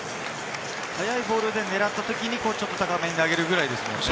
速いボールで狙った時にちょっと高め投げるくらいですよね。